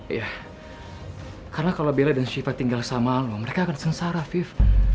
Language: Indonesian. iya karena kalau bella dan shiva tinggal sama lo mereka akan sengsara fifa